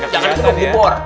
jangan itu buat kupur